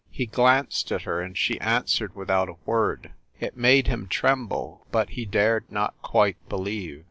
He glanced at her, and she answered without a word. It made him tremble, but he dared not quite believe.